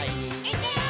「いくよー！」